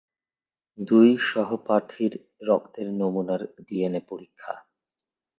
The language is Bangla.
দুই সহপাঠীর রক্তের নমুনার ডিএনএ পরীক্ষা।